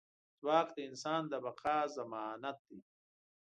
ځواک د انسان د بقا ضمانت دی.